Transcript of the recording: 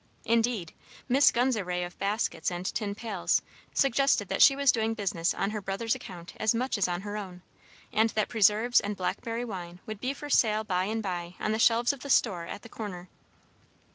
Indeed, Miss Gunn's array of baskets and tin pails suggested that she was doing business on her brother's account as much as on her own; and that preserves and blackberry wine would be for sale by and by on the shelves of the store at the "Corner."